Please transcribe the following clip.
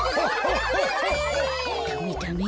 ダメダメ。